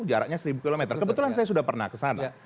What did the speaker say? jaraknya satu km kebetulan saya sudah pernah ke sana